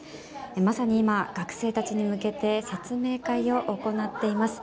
まさに今、学生たちに向けて説明会を行っています。